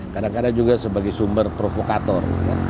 kadang kadang juga sebagai sumber provokator